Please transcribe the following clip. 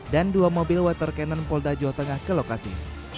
dan dua mobil water cannon polda jawa tengah ke lokasi